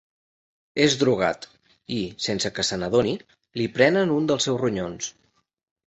És drogat i, Sense que se n'adoni, li prenen un dels seus ronyons.